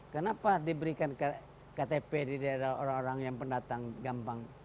kenapa diberikan ktp di daerah orang orang yang pendatang gampang